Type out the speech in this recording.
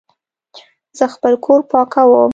زه خپل کور پاکوم